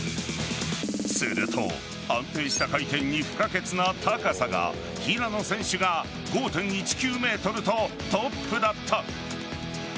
すると安定した回転に不可欠な高さが平野選手が５．１９ｍとトップだった。